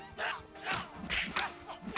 aku mau ke rumah